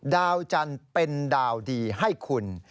ดาวจันทร์เป็นดาวดีให้คุณ